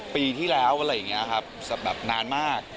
ปีที่แล้วอะไรอย่างนี้ครับแบบนานมาก